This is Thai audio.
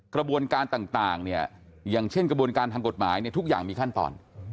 กระบวนการต่างเนี่ยอย่างเช่นกระบวนการทางกฎหมายเนี่ยทุกอย่างมีขั้นตอน